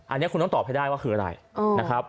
อันนี้คุณต้องตอบให้ได้ว่าคืออะไรนะครับ